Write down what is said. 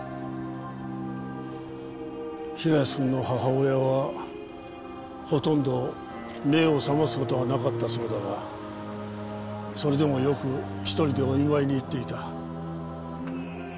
平安くんの母親はほとんど目を覚ます事はなかったそうだがそれでもよく一人でお見舞いに行っていた。